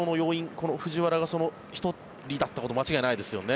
この藤原がその１人だったことは間違いないですよね。